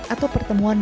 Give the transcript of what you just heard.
atau pertemuan menteri